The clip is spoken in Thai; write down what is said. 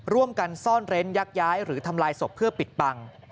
ร่วมกันซ่อนเร้นยักย้ายหรือทำลายศพเพื่อปิดบัง